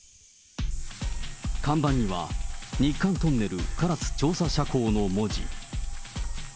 看板には、日韓トンネル唐津調査斜坑の文字。